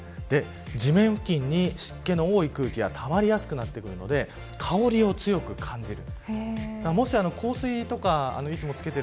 地面付近に湿気の多い空気がたまりやすくなってくるので香りを強く感じる。